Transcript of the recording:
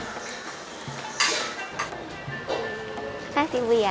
terima kasih bu ya